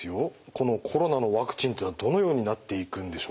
このコロナのワクチンってのはどのようになっていくんでしょうか？